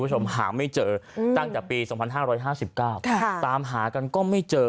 คุณผู้ชมหาไม่เจอตั้งแต่ปี๒๕๕๙ตามหากันก็ไม่เจอ